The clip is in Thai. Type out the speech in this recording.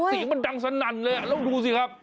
เสียงมันดังสนั่นเลยแล้วดูสิครับ